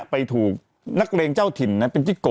ไปถูกนักเลงเจ้าถิ่นเป็นจิ๊กโก